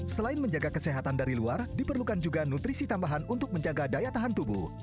selain menjaga kesehatan dari luar diperlukan juga nutrisi tambahan untuk menjaga daya tahan tubuh